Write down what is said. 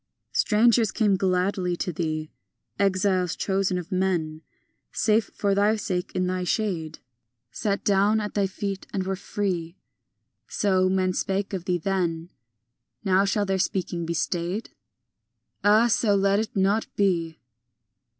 IV Strangers came gladly to thee, Exiles, chosen of men, Safe for thy sake in thy shade, Sat down at thy feet and were free. So men spake of thee then; Now shall their speaking be stayed? Ah, so let it not be!